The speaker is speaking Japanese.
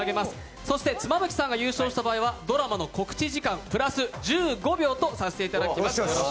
そして妻夫木さんが優勝した場合、ドラマの告知時間プラス１５秒とさせていただきます！